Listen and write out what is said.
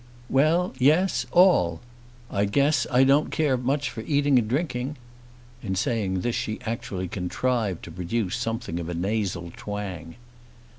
"Well; yes; all. I guess I don't care much for eating and drinking." In saying this she actually contrived to produce something of a nasal twang.